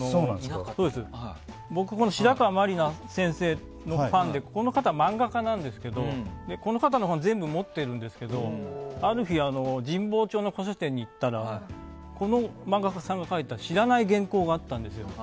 僕、白川まり奈先生のファンでこの方は漫画家なんですけどこの方の本を持ってるんですけど、ある日神保町の古書店に行ったらこの漫画家さんが描いた知らない原稿があったんですよ。